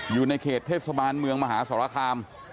อยู่ในเขตเทศบาลเมืองมหาสรคาม